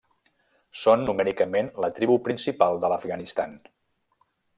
Són numèricament la tribu principal de l'Afganistan.